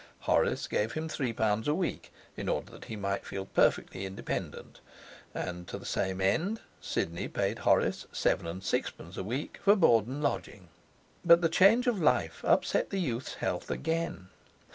Horace gave him three pounds a week, in order that he might feel perfectly independent, and, to the same end, Sidney paid Horace seven and sixpence a week for board and lodging. But the change of life upset the youth's health again.